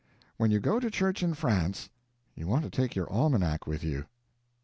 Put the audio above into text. When you go to church in France, you want to take your almanac with you annotated.